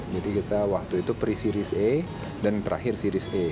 jadi kita waktu itu pre series a dan terakhir series a